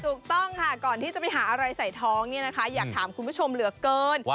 ถูกต้องค่ะก่อนที่จะไปหาอะไรใส่ท้องเนี่ยนะคะอยากถามคุณผู้ชมเหลือเกิน